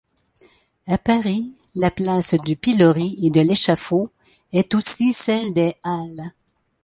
À Paris, la place du pilori et de l'échafaud est aussi celle des Halles.